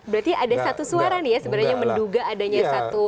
berarti ada satu suara nih ya sebenarnya menduga adanya satu pihak atau pihak